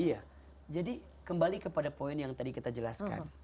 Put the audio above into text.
iya jadi kembali kepada poin yang tadi kita jelaskan